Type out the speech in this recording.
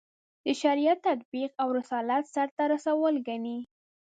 د شریعت تطبیق او رسالت سرته رسول ګڼي.